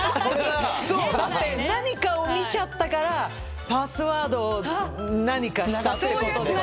だって何かを見ちゃったからパスワードを何かしたってことでしょ？